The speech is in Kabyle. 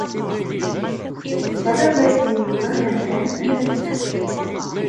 Ẓriɣ dakken Yuba d amdan anassaf.